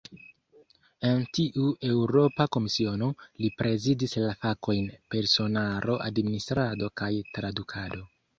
En tiu Eŭropa Komisiono, li prezidis la fakojn "personaro, administrado kaj tradukado".